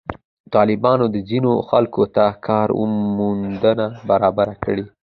طالبانو ځینو خلکو ته کار موندنه برابره کړې.